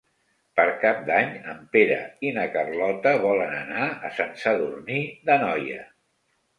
Per Cap d'Any en Pere i na Carlota volen anar a Sant Sadurní d'Anoia.